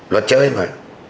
luật chơi mà